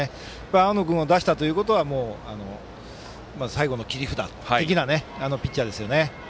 青野君を出したということは最後の切り札的なピッチャーですよね。